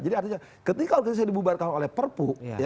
jadi artinya ketika organisasi dibubarkan oleh perpu